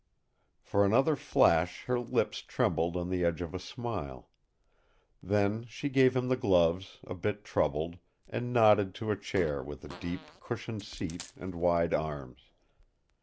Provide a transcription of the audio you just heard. For another flash her lips trembled on the edge of a smile. Then she gave him the gloves, a bit troubled, and nodded to a chair with a deep, cushioned seat and wide arms.